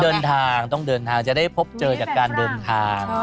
เดินทางต้องเดินทางจะได้พบเจอจากการเดินทาง